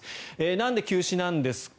なんで休止なんですか。